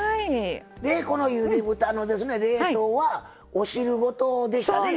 このゆで豚の冷凍はお汁ごとでしたね。